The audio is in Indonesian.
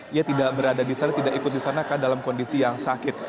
ia tidak berada di sana tidak ikut di sana dalam kondisi yang sakit